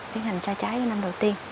tiến hành được